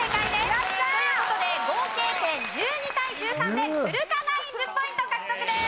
やったー！という事で合計点１２対１３で古田ナイン１０ポイント獲得です！